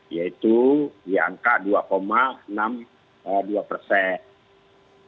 yang itu di angka dua enam puluh dua persen